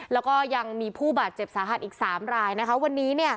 แล้วก็ยังมีผู้บาดเจ็บสาหัสอีก๓รายนะคะวันนี้